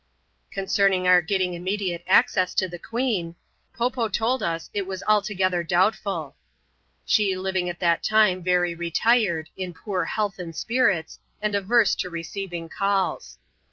Concerning our getting immediate access to the queen, Po Po told us it was rather doubtful ; she living at that time very retired, in poor health and spirits, and averse to receiving calls.